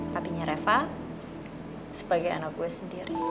tapinya reva sebagai anak gue sendiri